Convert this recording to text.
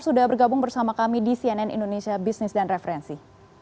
sudah bergabung bersama kami di cnn indonesia business dan referensi